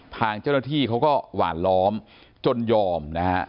ทางเจ้าหน้าที่เขาก็หวานล้อมจนยอมนะฮะ